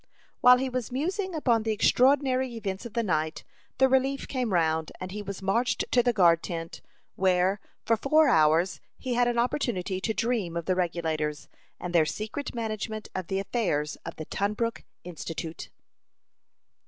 While he was musing upon the extraordinary events of the night, the relief came round, and he was marched to the guard tent, where, for four hours, he had an opportunity to dream of the Regulators, and their secret management of the affairs of the Tunbrook Institute.